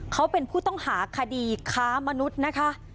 เขาเป็นผู้ต้องหาคดีค้ามนุษย์นะคะ